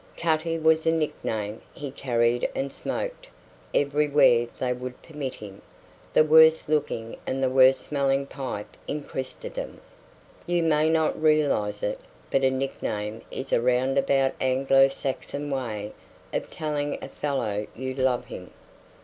Cutty was a nickname; he carried and smoked everywhere they would permit him the worst looking and the worst smelling pipe in Christendom. You may not realize it, but a nickname is a round about Anglo Saxon way of telling a fellow you love him.